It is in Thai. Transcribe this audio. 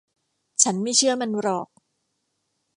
ฉันไม่เชื่อมันหรอก